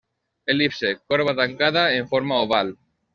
El·lipse: corba tancada en forma oval.